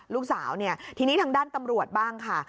ลูกสาวเนี่ยทีนี้ทางด้านตำรวจบ้างค่ะ